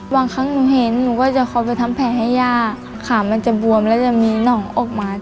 บางครั้งหนูเห็นหนูก็จะคอยไปทำแผลให้ย่าขามันจะบวมแล้วจะมีหนองออกมา